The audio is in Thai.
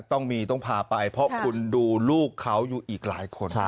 ต้องมีต้องพาไปเพราะคุณดูลูกเขาอยู่อีกหลายคน